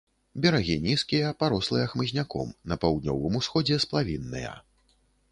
Берагі нізкія, парослыя хмызняком, на паўднёвым усходзе сплавінныя.